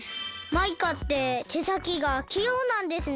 マイカっててさきがきようなんですね。